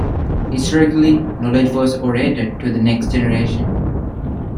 Historically, knowledge was orated to the next generation.